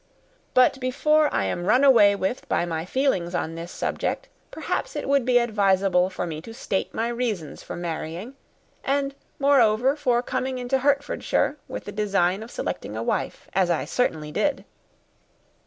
But before I am run away with by my feelings on this subject, perhaps it will be advisable for me to state my reasons for marrying and, moreover, for coming into Hertfordshire with the design of selecting a wife, as I certainly did."